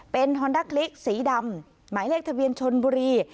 เป็นฮอนด้าคลิกสีดำหมายเลขทะเบียนชนบุรี